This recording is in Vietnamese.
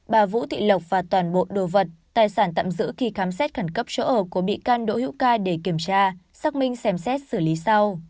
bà vũ thị lộc và toàn bộ đồ vật tài sản tạm giữ khi khám xét khẩn cấp chỗ ở của bị can đỗ hữu ca để kiểm tra xác minh xem xét xử lý sau